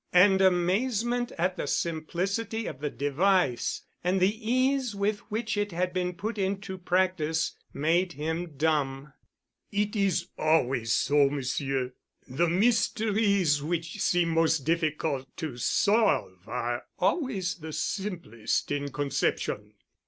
And amazement at the simplicity of the device, and the ease with which it had been put into practice, made him dumb. "It is always so, Monsieur. The mysteries which seem most difficult to solve are always the simplest in conception."